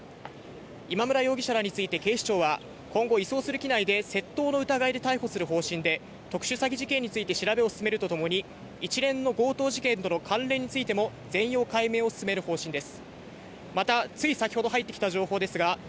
今村容疑者らについて警視庁は今後、移送する機内で窃盗の疑いで逮捕する方針で、特殊詐欺事件について調べを進めるとともに、一連の強盗事件との関連についてもお天気です。